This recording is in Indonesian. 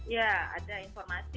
ya ada informasi